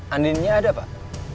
andinnya ada pak